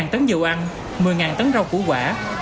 một tấn dầu ăn một mươi tấn rau củ quả